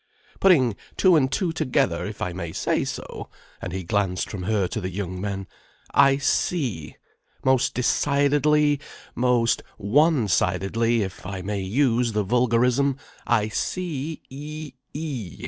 Putting two and two together, if I may say so—" and he glanced from her to the young men—"I see. Most decidedly, most one sidedly, if I may use the vulgarism, I _see—e—e!